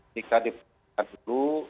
jika diperhatikan dulu